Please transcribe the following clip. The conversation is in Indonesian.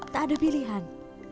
tak ada pilihan